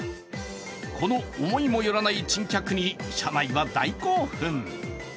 この思いもよらない珍客に車内は大興奮。